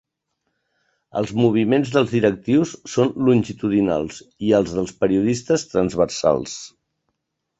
Els moviments dels directius són longitudinals i els dels periodistes transversals.